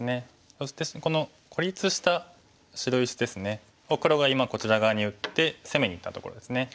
そしてこの孤立した白石ですね。を黒が今こちら側に打って攻めにいったところですね。